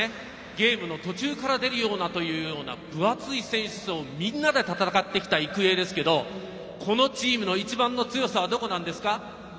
ゲームの途中から出るようなというような分厚い選手層をみんなで戦ってきた育英ですけどこのチームの一番の強さはどこなんですか？